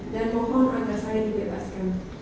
dan mohon agar saya dibebaskan